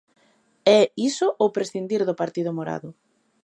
É iso ou prescindir do partido morado.